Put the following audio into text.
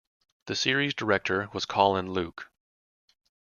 The series director was Colin Luke.